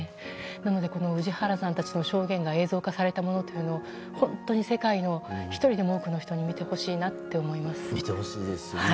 なので、氏原さんたちの証言が映像化されたものというのは本当に世界の１人でも多くの人に見てほしいなと思いますね。